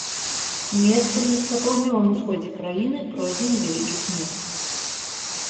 Месцамі па паўднёвым усходзе краіны пройдзе невялікі снег.